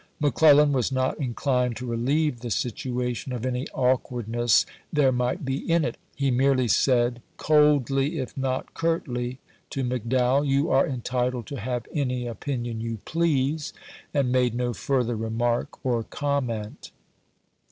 McClellan was not inclined to relieve the situation of any awkwardness there might be in it. He merely said, " coldly, if not curtly," to McDowell, "You are entitled to have any opinion you please," and made no further re 158 ABKAHAM LINCOLN Caw. IX. mark or commeut.